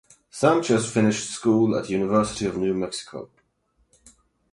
Sanchez finished school at University of New Mexico.